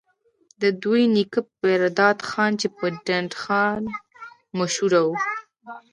د دوي نيکه پيرداد خان چې پۀ ډنډ خان مشهور وو،